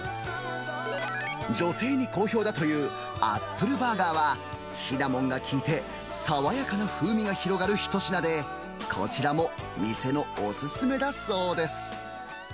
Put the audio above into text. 女性に好評だというアップルバーガーは、シナモンが効いて、爽やかな風味が広がる一品で、こちらも店のお勧めだそうです。